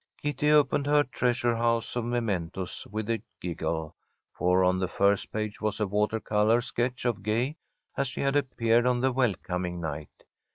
Kitty opened her treasure house of mementos with a giggle, for on the first page was a water colour sketch of Gay as she had appeared on the welcoming night.